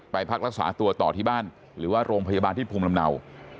พักรักษาตัวต่อที่บ้านหรือว่าโรงพยาบาลที่ภูมิลำเนา